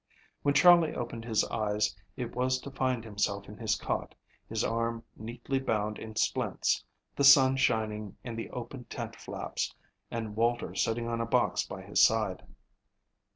When Charley opened his eyes it was to find himself in his cot, his arm neatly bound in splints, the sun shining in the open tent flaps, and Walter sitting on a box by his side.